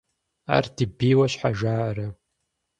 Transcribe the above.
Ар ди бийуэ щхьэ жаӀэрэ?